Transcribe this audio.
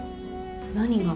何が？